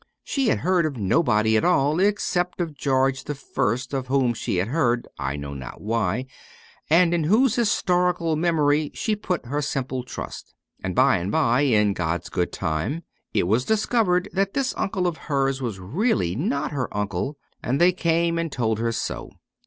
She had heard of nobody at all, except of George the First, of whom she had heard (I know not why), and in whose historical memory she put her simple trust. And by and by, in God's good time, it was discovered that this uncle of hers was really not her uncle, and they came and told her so.